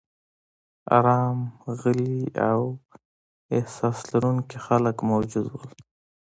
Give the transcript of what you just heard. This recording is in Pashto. ارام، غلي او احساس لرونکي خلک موجود و.